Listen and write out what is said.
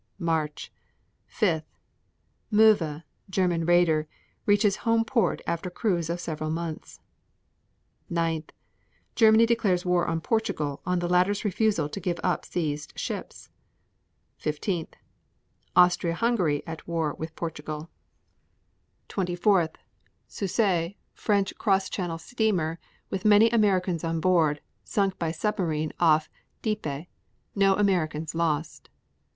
March 5. Moewe, German raider, reaches home port after a cruise of several months. 9. Germany declares war on Portugal on the latter's refusal to give up seized ships. 15. Austria Hungary at war with Portugal. 24. Sussex, French cross channel steamer, with many Americans aboard, sunk by submarine off Dieppe. No Americans lost.